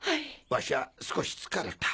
ワシは少し疲れた。